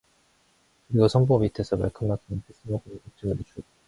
그리고 솜보 밑에서 말큰말큰한 햇솜을 꺼내어 옥점이를 주었다.